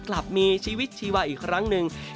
กลับมีชีวิตชีวาอีกครั้งหนึ่ง